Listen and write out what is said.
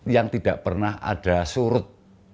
yang tidak pernah ada surut